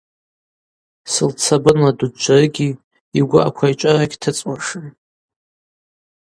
Сылт сабынла дуджвджварыгьи йгвы аквайчӏвара гьтыцӏуашым.